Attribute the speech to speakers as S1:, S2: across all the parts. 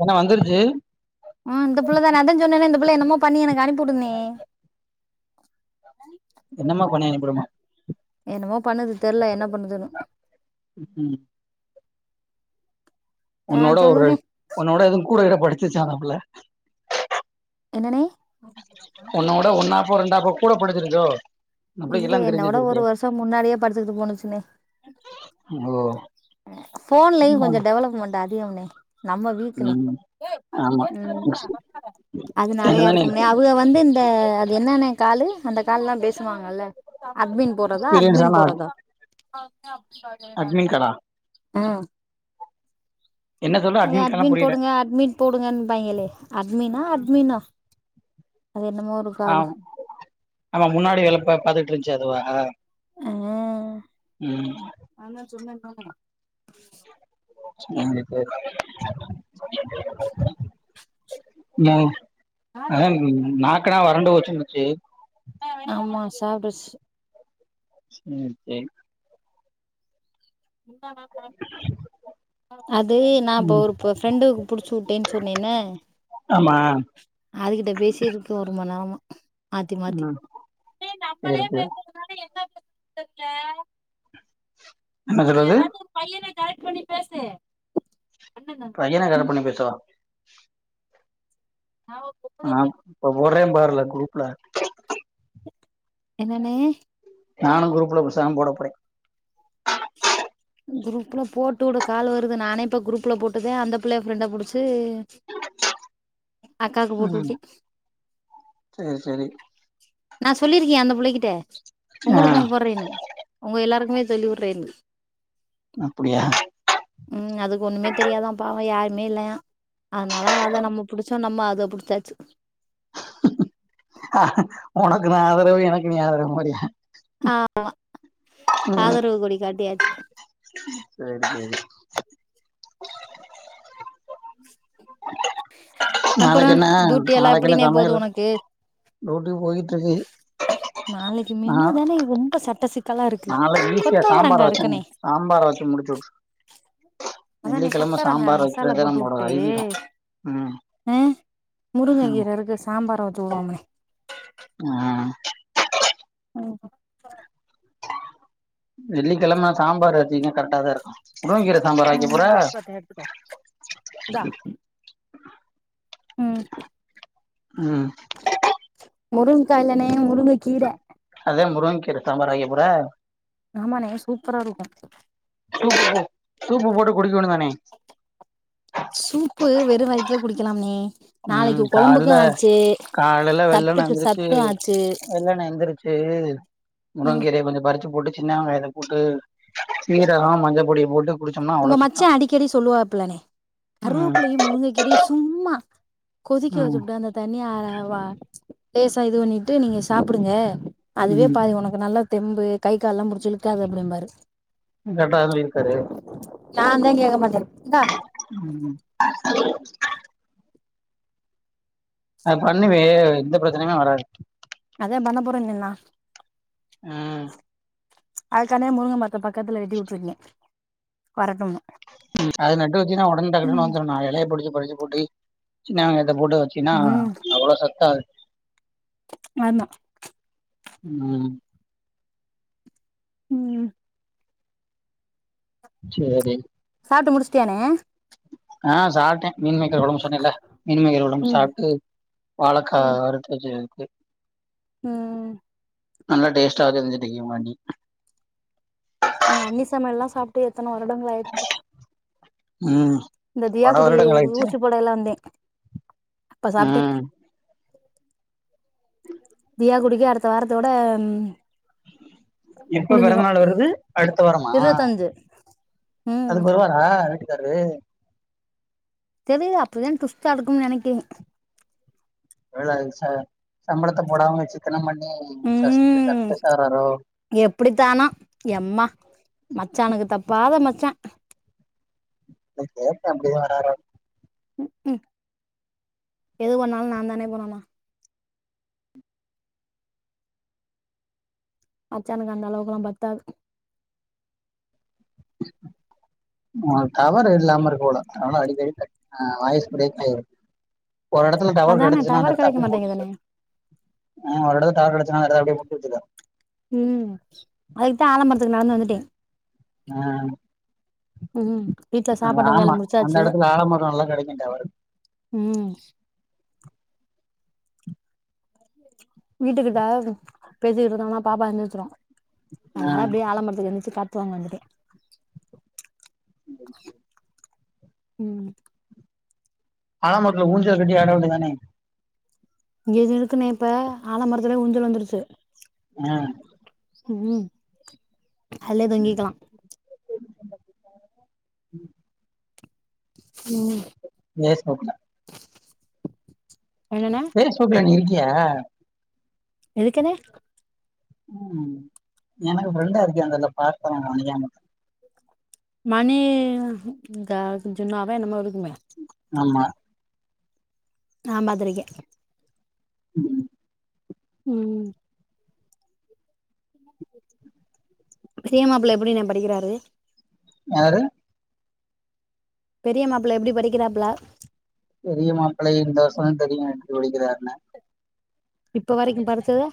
S1: என்ன வந்துருச்சு
S2: ஆ இந்த புள்ளதா நாந்தா சொன்னனே இந்த புள்ள என்னமோ பண்ணி எனக்கு அனுப்பி உடுன்னு
S1: என்னமோ பண்ணி அனுப்பி விடுமா
S2: என்னமோ பண்ணுது தெர்ல என்ன பண்ணுதுன்னு
S1: ம் ம்
S2: ஆ
S1: உன்ன விட ஒரு
S2: சொல்லுண்ணே
S1: உன்ன விட எதும் கூட கீட படிச்சிருச்சா அந்த புள்ள
S2: என்னண்ணே
S1: உன்ன விட ஒன்னாப்போ ரெண்டாப்போ கூட படிச்சிருச்சோ அந்த புள்ளைக்கு
S2: இல்ல
S1: எல்லா தெரிஞ்சு
S2: என்னவிட ஒரு
S1: வச்சிருக்கே
S2: வருஷோ முன்னாடியே படிச்சிருச்சு போனுச்சுண்ணே
S1: ஓ
S2: போன்லயூ கொஞ்சொ டெவலப்மெண்ட் அதிகம்னே நம்ம வீக்குனே
S1: ம் ஆமா
S2: ம் அது நெலயா
S1: என்னதானே
S2: இருக்கும்னே உள்ள வந்து இந்த அது என்னன்ன காலு அந்த கால்லா பேசுவாங்கல்ல அடமின் போறதா அட்மின்
S1: எக்ஸ்பீரியன்ஸான ஆள்
S2: போறதா
S1: அட்மின் கடா
S2: அ
S1: என்ன சொல்ற
S2: அ
S1: கடா
S2: அட்மின்
S1: புரியல
S2: போடுங்க அட்மின் போடுங்க ‌இன்பாங்களே அட் மீனா அட் மீனோ அது என்னமோ ஒரு காலு
S1: ஆம் நமக்கு முன்னாடி வோலப்பா பா பார்த்துட்டுருச்சே அதுவா ம்
S2: நா தன் சொன்னேங்கல்ல
S1: நோ அதெ நாக்குலா வறண்டு போச்சு மச்சி
S2: ஆமா சாப்ட்ர்சு
S1: ம் செரி
S2: முந்தா நேத்தா அது நா இப்ப
S1: ம்
S2: ஒரு ஃப்ரெண்டுக்கு புடிச்சு விட்டேன்னு சொன்னேன்ல
S1: ஆமா
S2: அதுகிட்ட பேசி இருக்க ஒரு மணி நேரம்மா மாத்தி மாத்தி
S1: ம்
S2: முன்னாடி
S1: சரி சரி
S2: என்ன போச செல்ற
S1: என்ன
S2: நீ
S1: சொல்றது
S2: ஏதாவது ஒரு பையனை கரெக்ட் பண்ணி பேசு அண்ணன்னா
S1: பையனோ கரெக்ட் பண்ணி பேசவா
S2: நா வுப்போ
S1: ஆ இப்ப போரே பாருல்ல குரூப்ல
S2: என்னன்னே
S1: நானூ குரூப்ல பேசாம போடப் போறே
S2: குரூப்ல போட்டு வூடு கால் வருது நானே இப்ப குரூப்ல போட்டுதே அந்த பிள்ளய ஃப்ரெண்டு புடிச்சு அக்காக்கு போட்டு வுட்டு
S1: செரி செரி
S2: நா சொல்லிருக்கே அந்த புள்ளய்கிட்ட
S1: ஆ
S2: உங்களுக்கூ போட்றேன்னு உங்க எல்லாருக்குமே சொல்லிவுட்றேன்னு
S1: அப் புடியா
S2: ம் அதுக்கு ஒண்ணுமே தெரியாதா பாவே யாருமே இல்லயா அதனால அத நம்ம புடிச்சோ நம்ம ‌அத புடிச்சாச்சு
S1: அ உனக்கு நா ஆதரவு எனக்கு நீ ஆதரவு மாதிரியா
S2: ஆமா ஆதரவு கொடி காட்டியாச்சு
S1: செரி செரி
S2: அப்புறோ
S1: நாளைக்கு என்ன
S2: டூட்டி எல்லா
S1: நாளைக்கு என்ன
S2: எப்படின்னே போது
S1: சமையல்
S2: உனக்கு
S1: டியூட்டி போயிட்டு இருக்கு
S2: நாளைக்கு
S1: நா
S2: மெனூ தானே ரொம்ப சட்ட சிக்கலா இருக்கு
S1: நாளைக்கு ஈஸியா
S2: கொத்தவரங்கா
S1: சாம்பார் வச்சு
S2: இருக்குன்னே
S1: சாம்பார் வச்சி முடிச்சிவிட்ரு
S2: அதானே
S1: வெள்ளிக்கிழம
S2: கொத்தவரங்கா
S1: சாம்பார்
S2: மசாலா
S1: வைக்கறதே
S2: போட்டு
S1: நம்மளோட
S2: வுட்டு
S1: ஐதீகெ ம்
S2: முருங்க
S1: ம்
S2: கீர இருக்கு சாம்பார் வச்சிவுடுவோம்னோ
S1: ஆ
S2: ம் ஹூம்
S1: வெள்ளிக்கிழம சாம்பார் வச்சீங்க கரெக்டா தா இருக்கூ முருங்ககீர
S2: நீ வேணா பிட் பார்த்து எத்துக்கோ இந்தா ம்
S1: ம்
S2: முருங்கைகா இல்லணே முருங்க கீர
S1: அத முருங்கைகீரை சாம்பாரா வெக்கப்போற
S2: ஆமாணே சூப்பரா இருக்கு
S1: சூப்பு சூப்பு போட்டு குடிக்கணு தானே
S2: சூப்பு வெறு வயித்துல குடிக்கலாம் ணே நாளைக்கி
S1: ம்
S2: கொழம்புக்கு
S1: கால்ல
S2: ஆச்சு
S1: காலைல வெள்ளன
S2: சத்துக்கு
S1: எந்திரிச்சு
S2: சத்து ஆச்சு ம்
S1: முருங்கைகீரையை கொஞ்சோ பறிச்சுப் போட்டு சின்னவெங்காயத்தப் போட்டு சீரகோ மஞ்சப் பொடி போட்டு குடிச்சோம்னா
S2: உங்க
S1: அவ்ளோ சுத்தோ
S2: மச்சா அடிக்கடி சொல்லுவா பிள்ளணே
S1: ம்
S2: கருவேப்பிலையும் முருங்கைக்கீரையு சும்மா கொதிக்க
S1: ம்
S2: வச்சுப்புட்டு அந்த தண்ணியா வ லேசா இது பண்ணிட்டு நீங்க சாப்புடுங்க அதுவே
S1: ம்
S2: பாதி உனக்கு நல்லா தெம்பு கை கால் எல்லா புடிச்சி இழுக்காது அப்டிம்பாரு
S1: கரட்டாதா சொல்லி இருக்காரு
S2: நாந்தா கேட்க மாட்டே இந்தா
S1: ம் அது பண்ணுமே எந்த பிரச்சனையுமே வராது
S2: அத பண்ணப்போறன்னு சொன்னா
S1: ஆ
S2: அதுக்கானே முருங்க மத்த பக்கத்துல நெட்டி வுட்டுருக்கே வரட்டும்னு
S1: ம் அது நட்டு வச்சனைனா உடன டக்டக்குன்ன
S2: ம்
S1: வந்துரு நாலு எலையை புடிச்சு பறுச்சு போட்டு சின்னவெங்காயத்தப் போட்டு வச் சின்னா
S2: ம்
S1: அவ்ள சத்தா
S2: ஆமா
S1: ம்
S2: ம்
S1: சேரி
S2: சாப்டு முடிச்சிட்டியாணே
S1: ஆ சாப்பிட்டே மீன்மேக்கர் கொழம்பு சொன்னேல மீன்மேக்கர் கொழம்பு
S2: ம்
S1: சாப்பிட்டு வாழைக்கா
S2: ம்
S1: வறுத்து வச்சிருக்கு
S2: ம்
S1: நல்லா டேஸ்டா தெரிஞ்சுட்டு இயுமாண்டி
S2: எங்க அண்ணி சமையல் எல்லாம் சாப்பிட்டு எத்தன வருடங்கள் ஆயிடுச்சு
S1: ம்
S2: இந்த
S1: பல
S2: தியாக்குடி
S1: வருடங்கள் ஆயிடுச்சு
S2: ஊசிப்பட எல்லா வந்தே அப்ப
S1: ஆ
S2: சாப்பிட்டே தியா குடிக்கு அடுத்த வாரத்தோட
S1: எப்ப
S2: முடிஞ்சிரும்
S1: பிறந்தநாள் வருது அடுத்த வாரமா
S2: இருவத்தஞ்சு
S1: அது
S2: ம்
S1: பர் ஆ வீட்டுக்காரு
S2: தெரியல அப்டி தா ட்விஸ்டா இருக்கும்னு நெனைக்கே
S1: ஒருவேள ச சம்பளத்த போடாம சிக்கனம் பண்ணி சஸ்த் [unintelligible] ஆகறாறோ
S2: எப்டித்தானோ எம்மா மச்சானுக்குத் தப்பாத மச்சா
S1: இல்ல கேட்ட அப்டியே வர்றா
S2: ம்ஹூ எது பண்ணாலு நா தானே பண்ண்ணு மச்சானனுக்கு அந்த அளவுக்கெல்லா பத்தாது
S1: ஆ டவர் இல்லாம இருக்கு உனக் அதனால அடிக்கடி கட் ஆ வாய்ஸ் பிரேக்காயிரு ஒரு எடத்துல டவர்
S2: அதானே
S1: கெடச்சுனா அந்த
S2: டவர்
S1: எடத்து
S2: கிடைக்க
S1: அப்டியே போட்டு போ
S2: மாட்டேங்குதுனே
S1: ஆ ஒரு இடத்துல டவர் கெடச்சன்னா அந்த எடத்த அப்படியே போட்டு வச்சிக்க
S2: உம் அதுக்குதா ஆலமரத்துக்கு நடந்து வந்துட்டே
S1: அ
S2: உம் வீட்ல சாப்பாட்ட வேலை
S1: ஆமா அந்த
S2: முடிச்சாச்சு
S1: எடத்துல ஆலமரம் நல்லா கெடைக்கு டவரு
S2: உம் வீட்டுக்கிட்ட பேசிட்டு இருக்காங்கன்னா பாப்பா எந்திருச்சிரும்
S1: ஆ
S2: அதனால அப்படியே ஆலமரத்துக்கு எந்திரிச்சி கட் [unintelligible] வந்துட்டேன்
S1: மகிழ்ச்சி
S2: உம்
S1: ஆல மரத்துல ஊஞ்சல் கட்டி ஆட வேண்டி தானே
S2: இங்க எதும் இருக்குன்னேப்பா ஆல மரத்துலே ஊஞ்சல் வந்துடுச்சு
S1: அ
S2: உம் அல்லே தங்கிக்கலா உம்
S1: வேஸ்ட் நோட்ல
S2: என்னண்ணா
S1: பேரண்ட்ஸ் குரூப்ல நீ இருக்கியா
S2: எதுக்குண்ணே
S1: உம் எனக்கு ஃபிரெண்டா இருக்கியான்னு தெர்ல பாக்குறே நா [unintelligible]
S2: மணி க ஜூன்னாதா என்னமோ இருக்குமே
S1: ஆமா
S2: நா பாத்திருக்கே
S1: உம்
S2: உம் சின்ன மாப்ள எப்டிணே படிக்கிறாரு
S1: யாரு
S2: பெரிய மாப்பிள எப்டி படிக்கறாப்ல
S1: பெரிய மாப்பிளை இந்த வருஷந்தா தெரியும் எப்டி படிக்கிறார்ன்னு
S2: இப்ப வரைக்கு படிச்சது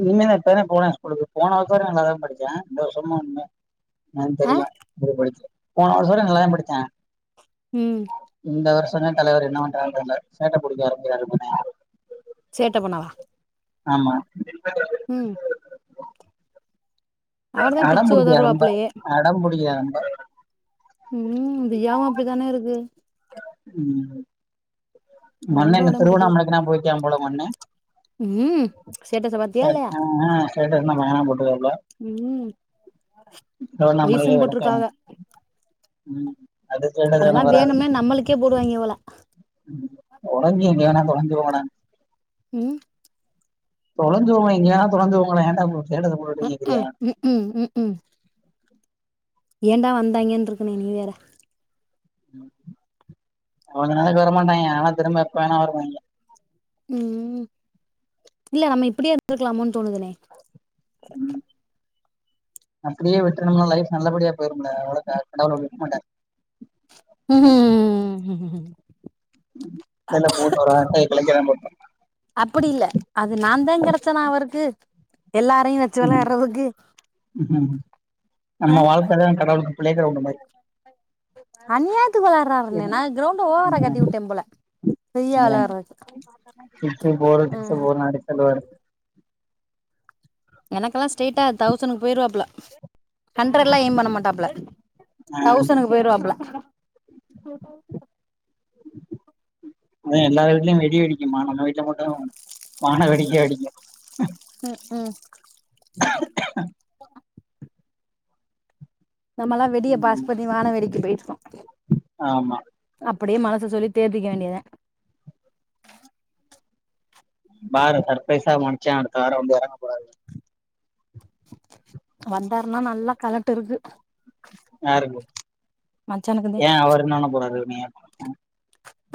S1: இனிமேதா என் பையனே போறா ஸ்கூலுக்கு போன வருஷம் வரையு நல்லாதா படிச்சா இந்த வருஷமு அது மாறி ஏன்
S2: ஆ
S1: தெர்ல அப்றோ படிச்சு போன வருஷம் வரை நல்லாதா படிச்சா
S2: உம்
S1: இந்த வருஷந்தா தலைவர் என்ன பண்றாருன்னு தெர்ல சேட்டை புடிக்க ஆரம்பிக்கறாரு [unintelligible]
S2: சேட்டை பண்ணவா
S1: ஆமா இருப்பே நானு
S2: ம் அவர் தான்
S1: அடம்
S2: பிச்சு
S1: புடிக்கிறா ரொம்ப
S2: உதருவாப்புலயே
S1: அடம் புடிக்கிறா ரொம்ப
S2: உம் இந்த யாவும் அப்டித்தானே இருக்கு
S1: உம்
S2: ரொம்ப
S1: மண்ணெண்ண
S2: அடம்
S1: திருவண்ணாமலைக்கெல்லா போயிருக்கா போல உங்க அண்ணே
S2: உம் ஸ்டேட்டஸ்ச பாத்தியா இல்லயா
S1: ஸ்டேட்டஸ்ல்லா பயங்கரமா போட்டு இருக்காப்ல
S2: உம் ஒய்ஃப்பும் போட்ருக்காக
S1: உம்
S2: அதெல்லா வேணுன்னே நம்மளுக்கே போடுவாங்க போல
S1: [unintelligible] தொழஞ்சி போங்கடான்னு
S2: ம்
S1: தொலைஞ்சிபோங்களே எங்கிவேனா தொலைஞ்சிபோங்களே ஏண்டா இப்போ ஸ்டேட்டஸ் போட்டுட்டு கேக்குறியா
S2: ம் ம்ஹும் ஏண்டா வந்தாங்கன்ன இருக்குண்ணே நீ வேற
S1: [unintelligible] மாட்டேங்க ஆனா திரும்ப எப்ப வேணாவென வருவ
S2: ம் ம் இல்ல நம்ம இப்டியே இருந்திருக்குளமோன் தோணுதுனே
S1: ம் அப்டியே விட்டுறணும்லா லைஃப் நல்லபடியா போய்டும்ல ஒழுங்கா கடவுள் [inaudible] மாட்டாரு
S2: ம்ஹும் ம் ம் ம் ம் ம் ம்
S1: இல்லல்ல மூணுறு அட்டைய கிழக்க தா பாப்பே
S2: அப்டி இல்ல அது நான்தா கெடைச்சனா அவுருக்கு எல்லாரையு வெச்
S1: ம் ம் ம்
S2: ஆ
S1: நம்ம வாழ்க்கதா கடவுளுக்கு பிளே க்ரவுண்ட் மாரி
S2: அநியாத்துக்கு வேள்ளா டுறாருனே
S1: என்ன
S2: நா கிரௌண்ட் ஓவர கட்டி விட்டே போல ஃப்ரீயா வெள்ளாடுறக்கு
S1: சிக்ஸ்ஸு ஃபோரு சிக்ஸ்ஸு ஃபோரு சும்மா அடிச்சு தள்ளுவாரு
S2: எனக்கெல்லா ஸ்ட்ரெயிட்டா தௌசண்டக்கு போயிருவா புள்ள ஹண்ட்ரடுல்லா ஏயிம் பண்ண மாட்டா புள்ள
S1: ஆ
S2: தௌசனுக்கு போயிருவப்புள்ள
S1: அதே எல்லாரு வீட்டிலயு வெடி வெடிக்குமா நம்ம வீட்டில மட்டு வானவெடிக்க வெடிக்கு
S2: ம்ஹும்
S1: [inaudible]
S2: நம்மல்லா வெடிய பாஸ்
S1: ம்
S2: பண்ணி வான வெடிக்கு போய்ட்கோ
S1: ஆமா
S2: அப்டியே மனச சொல்லி தேத்திக்க வேண்டியதெ
S1: பாரு சர்ப்பிரைசா மச்சா அடுத்த வார வந்து எறங்கப் போறாரு
S2: வந்தாருன்னா நல்ல கலட்டு இருக்கு
S1: யாருக்கு
S2: மச்சானுக்குதே
S1: ஏ அவர் என்ன பன்ன போராரு உன்னைய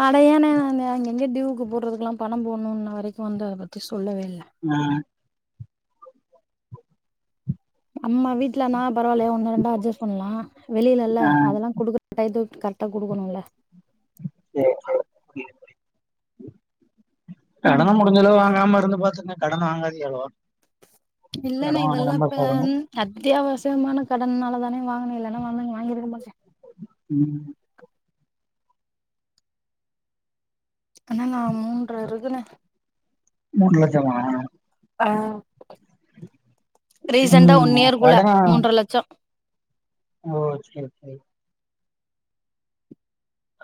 S2: அட என்ன நானு அங்கே அங்கே டியூவுக்கு போட்றதுக்கெல்லா பணம் போட்ணு இன்ன வரைக்கு வந்து அத பத்தி சொல்லவே இல்ல
S1: ஏ
S2: அம்ம வீட்ல நா பரவால்லயா ஒனக் ஒன்னு ரெண்டா அட்ஜஸ் பண்ணலா வெளியில இல்ல
S1: ஆ
S2: அதெல்லா குடுக்கற டைத்துக்கு கரக்டா குடுக்கணுல்ல
S1: சேர் செரி [inaudible]
S2: ம்
S1: கடனா முடிச் நீங்க லோ வாங்காம இருந்துபாத்துங்க கடன் வாங்காதீங்க அவ்ளோவா
S2: இல்லண்ணே
S1: கடன்
S2: இதெல்லா
S1: வாங்கமா
S2: இப்ப
S1: பாருங்க
S2: அத்தியாவசியமான கடன்னால தானே வாங்கன இல்லனா [unintelligible] வாங்கிருக்க மாட்டே
S1: ம்
S2: கடனா மூன்ற இருக்குனே
S1: மூண் லட்சமா
S2: அ ரீசன்டா ஒன்
S1: ம்
S2: இயர்க்குள்ள
S1: கடன
S2: மூன்றர லட்சோ
S1: ஓ சேரி சேரி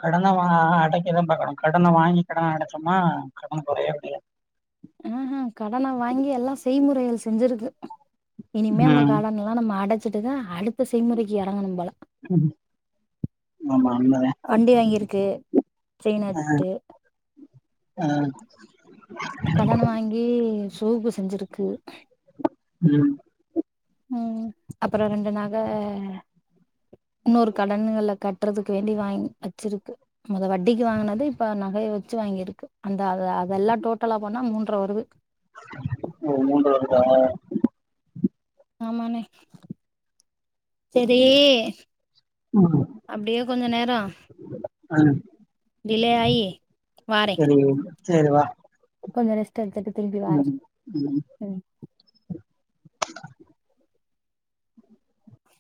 S1: கடன வாங்குன அடைக்கதா பாக்குனு கடன வாங்கி கடன அடைச்சமா கடங்கொறையவே கொறையாது
S2: ம்ஹும் கடன வாங்கி எல்லா செய்முறைகள் செஞ்சிருக்கு இனிமே அந்த
S1: ம்
S2: கடன்ல ல்லா நம்ம அடைச்சிட்டுதா அடுத்த செய்முறைக்கு எறங்கணு போல
S1: ம் ஆமா உண்மதா
S2: வண்டி வாங்கிருக்கு செயின வித்துட்டு
S1: ஆ
S2: கடன வாங்கி சோபு செஞ்சிருக்கு
S1: ம்
S2: ம் அப்புற ரெண்டு நக இன்னொரு கடன்கள கட்றதுக்கு வேண்டி வாங்கி வச்சிருக்கு மொத வட்டிக்கு வாங்கினது இப்ப நகைய வச்சு வாங்கிருக்கு அந்த அத அதெல்லா டோட்டலா போனா மூண்ர வருது
S1: ஓ மூண்ர வருதா
S2: ஆமாண்ணே செரி அப்டியே கொஞ்ச நேரோ
S1: ஆ
S2: டிலே ஆயி வாரே
S1: சேரி வா
S2: கொஞ்ச ரெஸ்ட்டு எடுத்துட்டு திரும்பி வாரே
S1: ம்
S2: ம்